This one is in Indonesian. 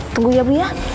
tunggu ya bu ya